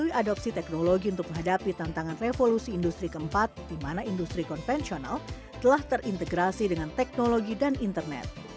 melalui adopsi teknologi untuk menghadapi tantangan revolusi industri keempat di mana industri konvensional telah terintegrasi dengan teknologi dan internet